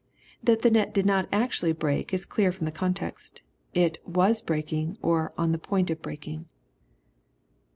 That the net did not actually break, is clear from the context It " was breaking," or "on the point of breaking."